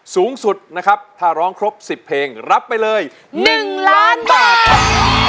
สูงสุดนะครับถ้าร้องครบ๑๐เพลงรับไปเลย๑ล้านบาทครับ